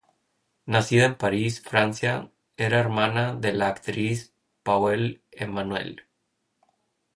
Nacida en París, Francia, era hermana de la actriz Paule Emanuele.